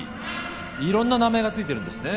いろんな名前が付いてるんですね。